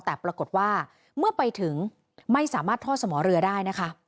แต่ปรากฏว่าเมื่อไปถึงไม่สามารถท่อสมอเรือได้นะคะ